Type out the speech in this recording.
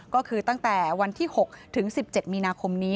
ก็คือตั้งแต่วันที่๖๑๗มิคมนี้